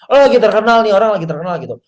oh lagi terkenal nih orang lagi terkenal gitu